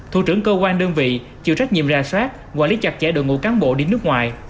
thủ trưởng cơ quan đơn vị chịu trách nhiệm ra soát quản lý chặt chẽ đội ngũ cán bộ đi nước ngoài